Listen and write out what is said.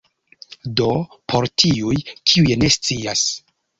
Do por tiuj, kiuj ne scias